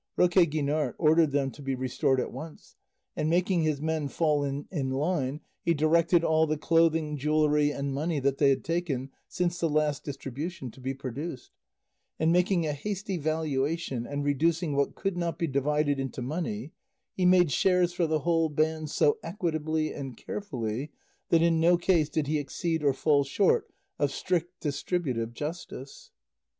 Roque Guinart ordered them to be restored at once; and making his men fall in in line he directed all the clothing, jewellery, and money that they had taken since the last distribution to be produced; and making a hasty valuation, and reducing what could not be divided into money, he made shares for the whole band so equitably and carefully, that in no case did he exceed or fall short of strict distributive justice.